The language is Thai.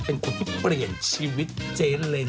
เป็นคนที่เปลี่ยนชีวิตเจ๊เลน